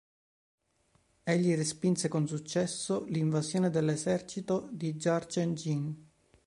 Egli respinse con successo l'invasione dell'esercito di Jurchen Jin.